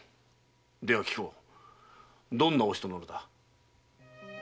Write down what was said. では聞こうどんなお人なのだ？